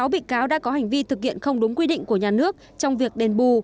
sáu bị cáo đã có hành vi thực hiện không đúng quy định của nhà nước trong việc đền bù